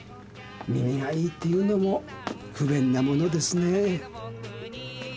耳がいいっていうのも不便なものですねぇ。